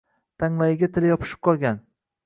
Tanglayiga tili yopishib qolgan